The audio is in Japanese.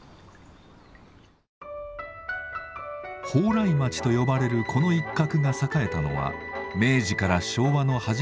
莱町と呼ばれるこの一角が栄えたのは明治から昭和の初めにかけてのこと。